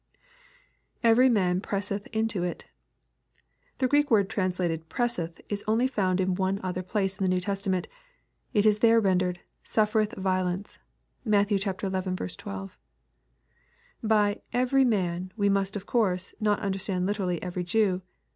[Every man presseth into it.1 The Greek word translated " presseth," is only found in one other place in the New Testa ment. It is there rendered, " suffereth violence." (Matt. xi. 12.) By " every man," we must of course not understand literally every Jew.